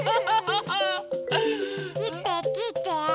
きてきて！